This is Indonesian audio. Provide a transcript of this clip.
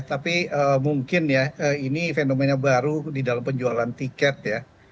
tapi mungkin ya ini fenomena baru di dalam penjualan tiket ya